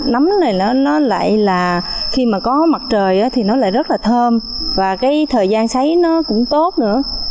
nấm này nó lại là khi mà có mặt trời thì nó lại rất là thơm và cái thời gian sấy nó cũng tốt nữa